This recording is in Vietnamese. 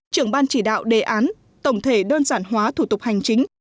trưởng ban chỉ đạo đề án tổng thể đơn giản hóa thủ tục hành chính